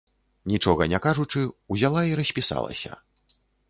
Нічога не кажучы, узяла і распісалася.